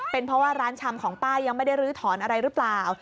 เป็นเพราะว่าร้านชำของป้ายังไม่ได้ลื้อถอนอะไรหรือเปล่า